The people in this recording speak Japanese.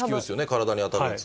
体に当たるやつ。